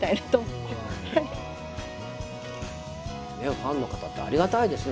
ファンの方ってありがたいですね